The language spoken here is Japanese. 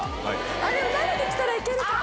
あっでも慣れてきたらいけるかも。